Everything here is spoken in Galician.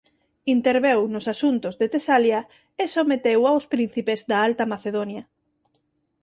Interveu nos asuntos de Tesalia e someteu aos príncipes da Alta Macedonia.